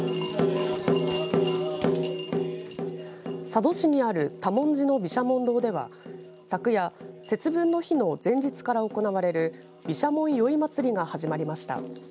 佐渡市にある多聞寺の毘沙門堂では昨夜、節分の日の前日から行われる毘沙門宵まつりが始まりました。